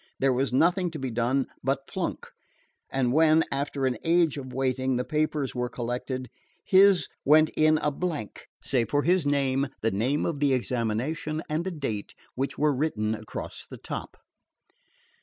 There was nothing to be done but flunk. And when, after an age of waiting, the papers were collected, his went in a blank, save for his name, the name of the examination, and the date, which were written across the top.